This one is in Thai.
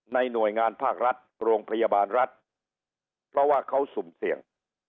หน่วยงานภาครัฐโรงพยาบาลรัฐเพราะว่าเขาสุ่มเสี่ยง